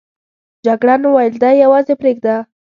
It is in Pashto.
جګړن وویل دی یوازې پرېږده.